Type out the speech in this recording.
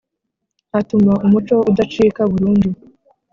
atuma umuco udacika burundu.